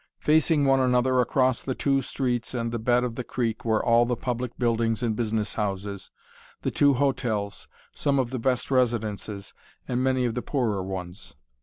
Facing one another across the two streets and the bed of the creek were all the public buildings and business houses, the two hotels, some of the best residences, and many of the poorer ones.